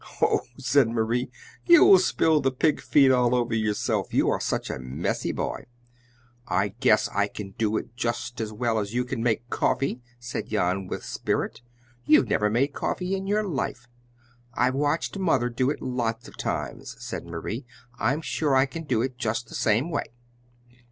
"Ho!" said Marie. "You will spill the pig feed all over yourself! You are such a messy boy!" "I guess I can do it just as well as you can make coffee," said Jan with spirit. "You've never made coffee in your life!" "I've watched Mother do it lots of times," said Marie. "I'm sure I can do it just the same way."